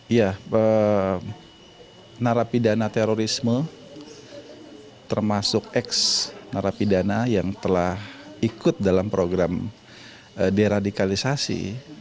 iya narapidana terorisme termasuk ex narapidana yang telah ikut dalam program deradikalisasi